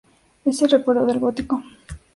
Es el recuerdo del Gótico.